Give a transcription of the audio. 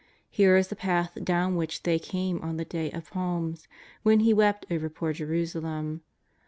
Here is the path down which they came on the day of palms when He wept over poor Jerusalem.